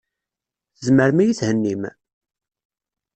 Tzemrem ad iyi-thennim?